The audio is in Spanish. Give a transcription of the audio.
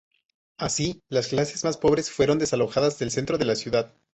Así, las clases más pobres fueron desalojadas del centro de la ciudad.